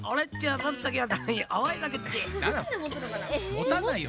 持たないよ